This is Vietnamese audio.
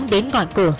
đến ngoại cửa